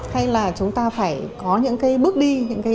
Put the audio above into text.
hay là chúng ta phải có những cái bước đi